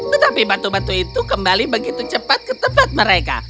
tetapi batu batu itu kembali begitu cepat ke tempat mereka